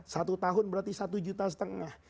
satu tahun berarti satu juta setengah